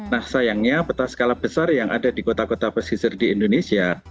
nah sayangnya peta skala besar yang ada di kota kota pesisir di indonesia